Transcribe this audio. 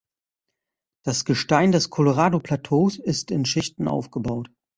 Das Gestein des Colorado-Plateaus ist in Schichten aufgebaut.